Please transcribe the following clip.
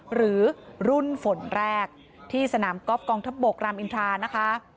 หรือรุ่นฝนแรกที่สนามกอล์ฟกองทัพบกรามอินทรานะคะ